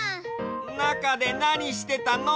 なかでなにしてたの？